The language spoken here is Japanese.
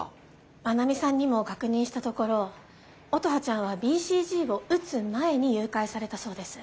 真奈美さんにも確認したところ乙葉ちゃんはＢＣＧを打つ前に誘拐されたそうです。